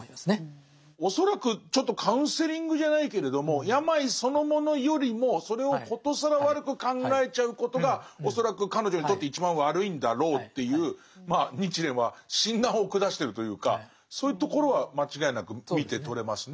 恐らくちょっとカウンセリングじゃないけれども病そのものよりもそれを殊更悪く考えちゃうことが恐らく彼女にとって一番悪いんだろうというまあ日蓮は診断を下してるというかそういうところは間違いなく見て取れますね。